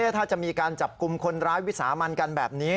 ถ้าจะมีการจับกลุ่มคนร้ายวิสามันกันแบบนี้